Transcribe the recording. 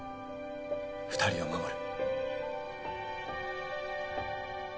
２人を守る。